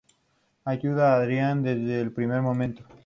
Ayuda a Adrian desde el primer momento.